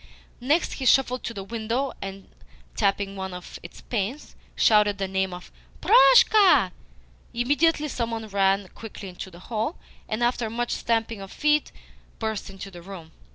Next, he shuffled to the window, and, tapping one of its panes, shouted the name of "Proshka." Immediately some one ran quickly into the hall, and, after much stamping of feet, burst into the room.